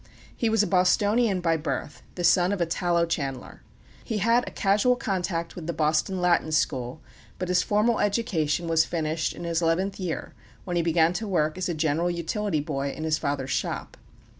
He was a Bostonian by birth, the son of a tallow chandler. He had a casual contact with the Boston Latin School; but his formal education was finished in his eleventh year, when he began to work as a general utility boy in his father's shop.